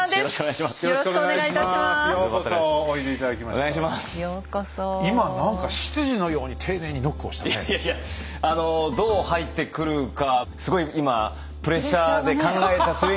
いやいやいやあのどう入ってくるかすごい今プレッシャーで考えた末に。